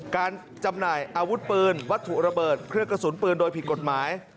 จำหน่ายอาวุธปืนวัตถุระเบิดเครื่องกระสุนปืนโดยผิดกฎหมาย